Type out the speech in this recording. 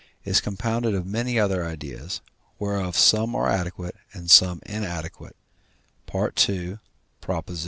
is compounded of many other ideas, whereof some are adequate and some inadequate (II.